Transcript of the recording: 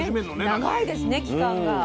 長いですね期間が。